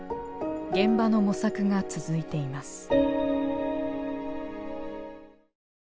現場の模索が続いています。